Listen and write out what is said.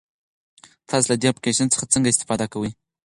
تاسو له دې اپلیکیشن څخه څنګه استفاده کوئ؟